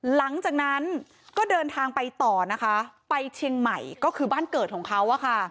หลังจากนั้นก็เดินทางไปต่อนะคะไปเชียงใหม่ก็คือบ้านเกิดของเขา